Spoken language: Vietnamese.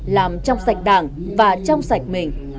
làm trong sạch đảng và trong sạch mình